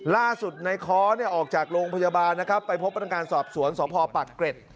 ล่าสุดในค้อออกจากโรงพยาบาลไปพบพนักการณ์สอบสวนสภปักเกร็ด